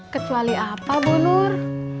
kecuali apa bunur